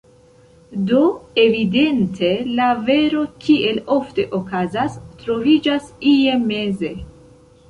Do evidente, la vero, kiel ofte okazas, troviĝas ie meze.